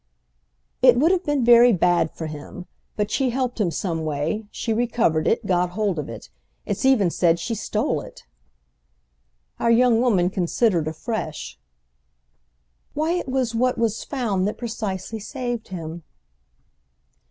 "It would have been very bad for him. But, she helped him some way—she recovered it, got hold of it. It's even said she stole it!" Our young woman considered afresh. "Why it was what was found that precisely saved him."